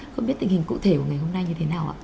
không biết tình hình cụ thể của ngày hôm nay như thế nào ạ